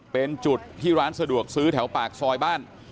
เป็นจุดที่ร้านสะดวกซื้อแถวปากซอยบ้าน